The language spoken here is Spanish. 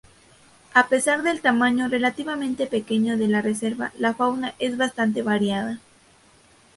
A pesar del tamaño relativamente pequeño de la reserva, la fauna es bastante variada.